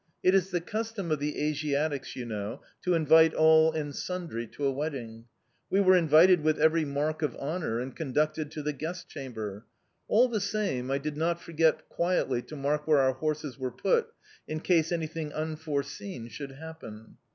It is the custom of the Asiatics, you know, to invite all and sundry to a wedding. We were received with every mark of honour and conducted to the guest chamber. All the same, I did not forget quietly to mark where our horses were put, in case anything unforeseen should happen."